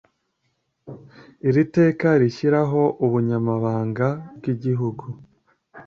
iri teka rishyiraho ubunyamabanga bw igihugu